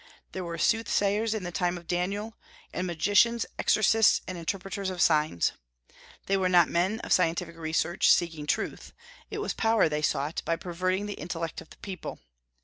There were soothsayers in the time of Daniel, and magicians, exorcists, and interpreters of signs. They were not men of scientific research, seeking truth; it was power they sought, by perverting the intellect of the people.